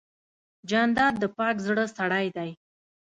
جانداد د پاک زړه سړی دی.